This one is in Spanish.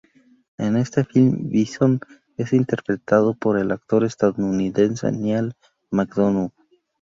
En este film Bison es interpretado por el actor estadounidense Neal McDonough.